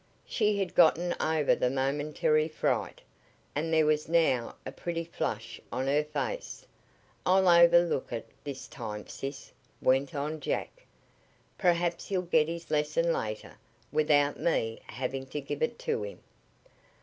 She had gotten over the momentary fright, and there was now a pretty flush on her face. "I'll overlook it this time, sis," went on Jack. "Perhaps he'll get his lesson later without me having to give it to him."